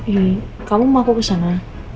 ihh kamu mau aku kesana